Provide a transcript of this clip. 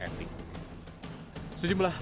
sejumlah lembaga survei yang telah diperlukan